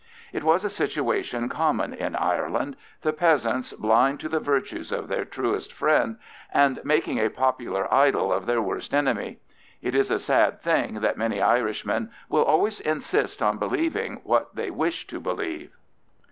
It was a situation common in Ireland—the peasants blind to the virtues of their truest friend, and making a popular idol of their worst enemy: it is a sad thing that many Irishmen will always insist in believing what they wish to believe.